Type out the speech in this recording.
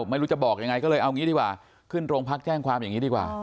ไม่รู้จะบอกยังไงก็เลยเอางี้ดีกว่าขึ้นโรงพักแจ้งความอย่างนี้ดีกว่า